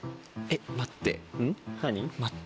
えっ待って。